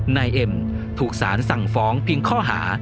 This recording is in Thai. นายเอ็มถูกสารสั่งฟ้องเพียงข้อหา